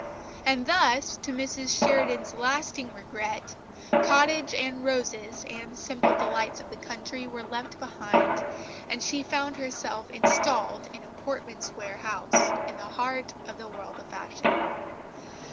And thus, to Mrs Sheridan's lasting regret, cottage and roses and simple delights of the country were left behind, and she found herself installed in a Portman Square house, in the heart of the world of fashion.